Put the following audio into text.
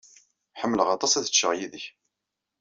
Ḥemmleɣ aṭas ad ččeɣ yid-k.